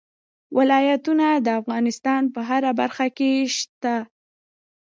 ولایتونه د افغانستان په هره برخه کې شته.